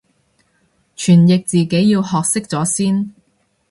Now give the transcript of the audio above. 傳譯自己要學識咗先